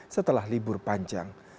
setelah libur panjang